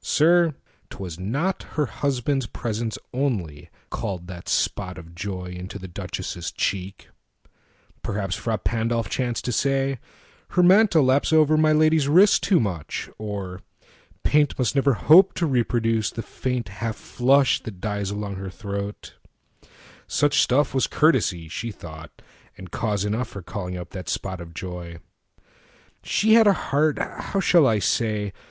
Sir, 'twas notHer husband's presence only, called that spotOf joy into the Duchess' cheek: perhapsFrà Pandolf chanced to say, "Her mantle lapsOver my lady's wrist too much," or "PaintMust never hope to reproduce the faintHalf flush that dies along her throat:" such stuffWas courtesy, she thought, and cause enoughFor calling up that spot of joy. She hadA heart—how shall I say?